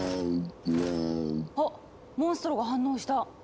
あっモンストロが反応した。